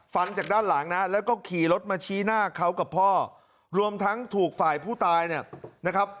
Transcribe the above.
ฟันจากด้านหลังนะแล้วก็ขี่รถมาชี้หน้าเขากับพ่อรวมทั้งถูกฝ่ายผู้ตายเนี่ยนะครับ